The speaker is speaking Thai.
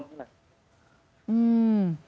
อืม